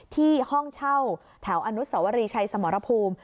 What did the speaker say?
ห้องเช่าแถวอนุสวรีชัยสมรภูมิ